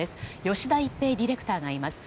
吉田一平ディレクターがいます。